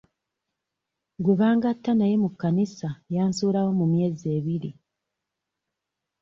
Gwe bangatta naye mu kkanisa yansuulawo mu myezi ebiri.